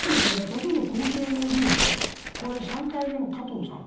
例えば厚生労働省これ、３回目の加藤さん。